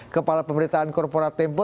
kepala pemerintahan korporat tempo